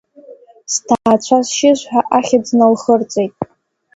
Зҭаацәа зшьыз ҳәа ахьӡ налхырҵеит.